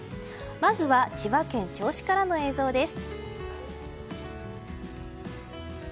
まずは千葉県銚子からの映像です。